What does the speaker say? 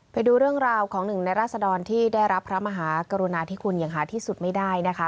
ไปดูเรื่องราวของหนึ่งในราศดรที่ได้รับพระมหากรุณาที่คุณอย่างหาที่สุดไม่ได้นะคะ